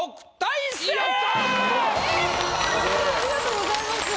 ありがとうございます。